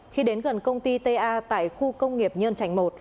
khi đến gần công ty ta tại khu công nghiệp nhân trạch một